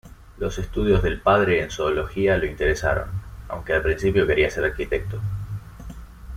Los estudios del padre en zoología lo interesaron, aunque al principio quería ser arquitecto.